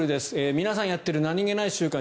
皆さんやっている何げない習慣